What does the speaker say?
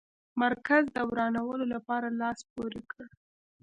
مرکز د ورانولو لپاره لاس پوري کړ.